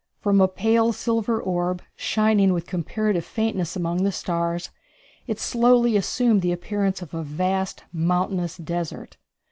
From a pale silver orb, shining with comparative faintness among the stars, it slowly assumed the appearance of a vast mountainous desert.